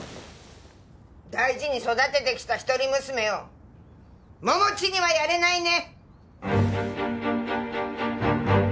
大事に育ててきた一人娘を桃地にはやれないね！